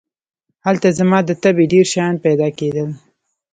هلته زما د طبعې ډېر شیان پیدا کېدل.